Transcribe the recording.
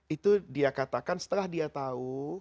itu dia katakan setelah dia tahu